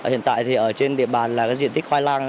hiện tại thì ở trên địa bàn là cái diện tích khoai lang